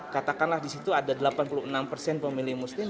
katakanlah disitu ada delapan puluh enam persen pemilih muslim